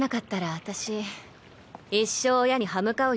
私一生親に刃向かう